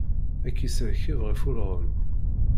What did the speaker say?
Ad k-isserkeb ɣef ulɣem.